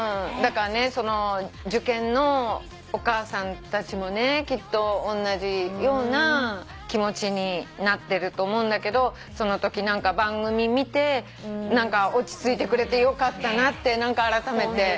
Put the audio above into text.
だからね受験のお母さんたちもねきっとおんなじような気持ちになってると思うんだけどそのとき番組見て落ち着いてくれてよかったなって何かあらためて。